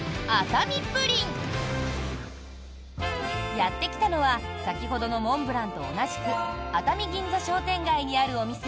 やってきたのは先ほどのモンブランと同じく熱海銀座商店街にあるお店